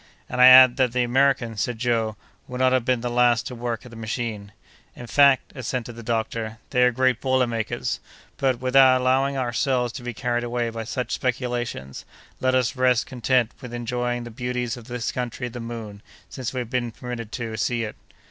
"And I add that the Americans," said Joe, "will not have been the last to work at the machine!" "In fact," assented the doctor, "they are great boiler makers! But, without allowing ourselves to be carried away by such speculations, let us rest content with enjoying the beauties of this country of the Moon, since we have been permitted to see it."